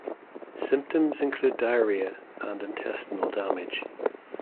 Symptoms include diarrhea and intestinal damage.